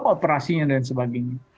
operasinya dan sebagainya